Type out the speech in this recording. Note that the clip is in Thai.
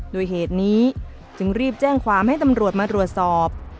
โดยเหตุนี้จึงรีบแจ้งความให้ตำรวจมาตรวจสอบ